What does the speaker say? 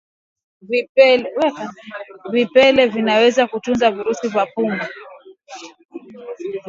Vipele vinaweza kutunza virusi vya pumu kwa wanyama